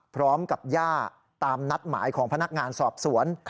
พร้อมกับย่าตามนัดหมายของพนักงานสอบสวน